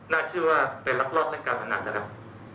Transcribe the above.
เชื่อว่าไปลักลอบเล่นการพนันนะครับ